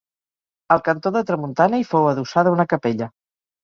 Al cantó de tramuntana hi fou adossada una capella.